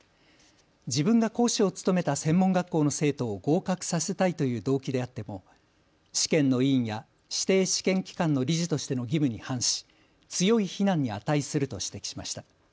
自分が講師を務めた専門学校の生徒を合格させたいという動機であっても、試験の委員や指定試験機関の理事としての義務に反し、強い非難に値すると指摘しました。